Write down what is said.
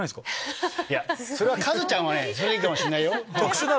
それはカズちゃんはそれでいいかもしれないよ。